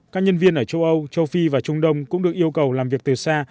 các nhân viên ở châu âu châu phi và trung đông cũng được yêu cầu làm việc từ xa